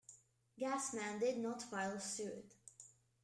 Gasman did not file suit.